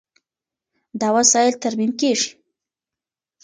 دا وسایل ترمیم کېږي.